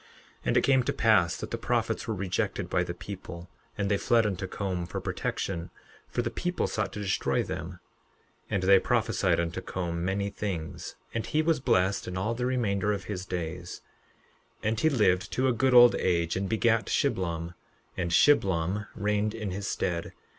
11:2 And it came to pass that the prophets were rejected by the people, and they fled unto Com for protection, for the people sought to destroy them. 11:3 And they prophesied unto Com many things; and he was blessed in all the remainder of his days. 11:4 And he lived to a good old age, and begat Shiblom; and Shiblom reigned in his stead.